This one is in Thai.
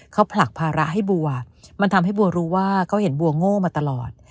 เขาผลักภาระให้บัวมันทำให้บัวรู้ว่าเขาเห็นบัวโง่มาตลอด